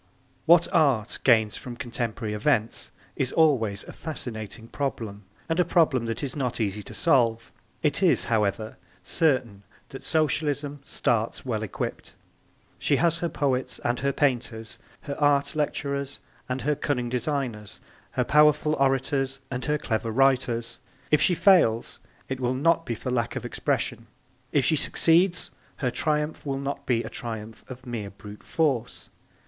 What Art gains from contemporary events is always a fascinating problem and a problem that is not easy to solve. It is, however, certain that Socialism starts well equipped. She has her poets and her painters, her art lecturers and her cunning designers, her powerful orators and her clever writers. If she fails it will not be for lack of expression. If she succeeds her triumph will not be a triumph of mere brute force.